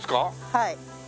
はい。